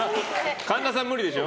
神田さん無理でしょ。